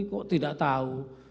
kok tidak tahu